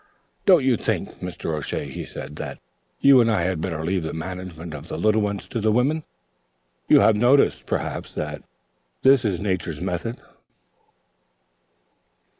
"Don't you think, Mr. O'Shea," said he, "that you and I had better leave the management of the little ones to the women? You have noticed, perhaps, that this is Nature's method."